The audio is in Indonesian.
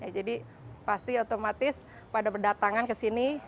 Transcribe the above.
jadi pasti otomatis pada kedatangan kesini